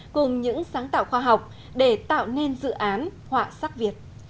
cùng những sáng tạo khoa học để tạo nên dự án họa sắc việt